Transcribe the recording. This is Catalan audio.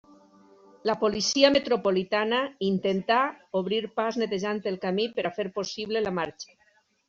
La policia metropolitana intentà obrir pas netejant el camí per a fer possible la marxa.